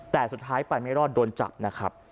แต่สุดท้ายไปไม่รอดโดนจับนะครับ